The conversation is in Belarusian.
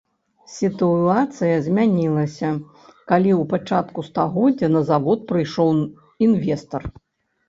Сітуацыя змянілася, калі ў пачатку стагоддзя на завод прыйшоў інвестар.